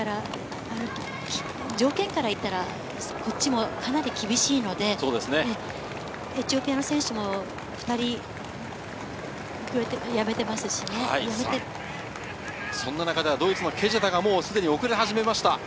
条件からいったら、こっちもかなり厳しいので、エチオピアの選手も、そんな中でドイツのケジェタが遅れ始めました。